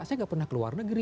saya gak pernah ke luar negeri